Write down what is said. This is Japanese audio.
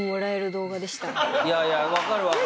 いやいやわかるわかる。